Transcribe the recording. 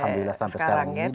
alhamdulillah sampai sekarang ini